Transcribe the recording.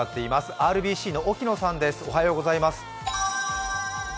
ＲＢＣの沖野さんです。